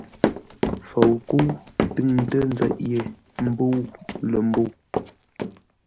FOUKƏ́U tʉŋtə nzeʼ yé mbə̂u lə̂ mbə̂u.